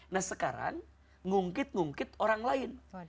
nah sekarang ngungkit ngungkit orang lain